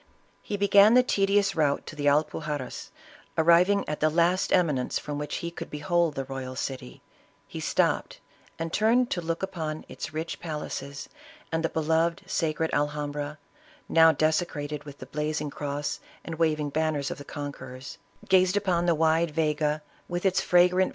He began the tedious route to the Alpuxarras ; arriving at the last eminence from which he could behold the royal city, he stopped and turned to look upon its rich palaces, and the beloved, sacred Alhambra, now desecrated with the blazing cross and waving banners of the con querors, gazed upon the wide Vega with its fragrant ISABELLA OF CASTILB.